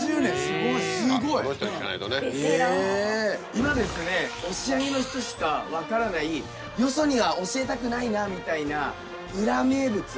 今押上の人しか分からないよそには教えたくないなみたいな裏名物